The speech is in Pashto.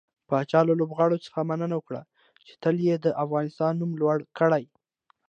پاچا له لوبغاړو څخه مننه وکړه چې تل يې د افغانستان نوم لوړ کړى.